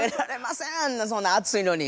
そんな熱いのに。